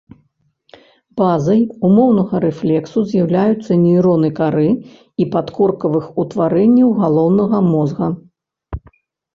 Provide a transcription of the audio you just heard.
Базай умоўнага рэфлексу з'яўляюцца нейроны кары і падкоркавых утварэнняў галоўнага мозга.